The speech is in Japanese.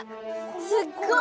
すっごい！